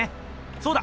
そうだ！